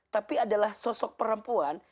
tapi adalah sosok perempuan